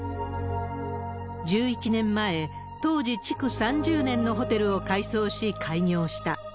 １１年前、当時築３０年のホテルを改装し開業した。